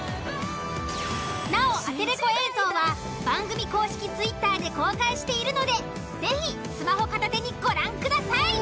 なおアテレコ映像は番組公式Ｔｗｉｔｔｅｒで公開しているので是非スマホ片手にご覧ください。